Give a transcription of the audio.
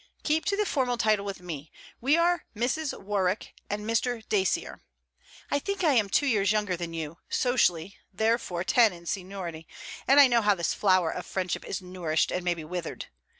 'Keep to the formal title with me. We are Mrs. Warwick and Mr. Dacier. I think I am two years younger than you; socially therefore ten in seniority; and I know how this flower of friendship is nourished and may be withered.